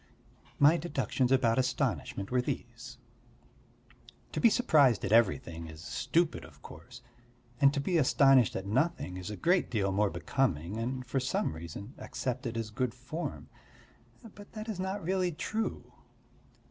My deductions about astonishment were these: "To be surprised at everything is stupid of course, and to be astonished at nothing is a great deal more becoming and for some reason accepted as good form. But that is not really true.